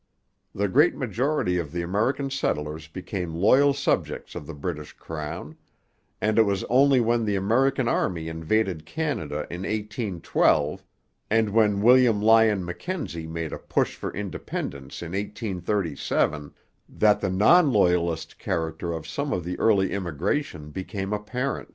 The great majority of the American settlers became loyal subjects of the British crown; and it was only when the American army invaded Canada in 1812, and when William Lyon Mackenzie made a push for independence in 1837, that the non Loyalist character of some of the early immigration became apparent.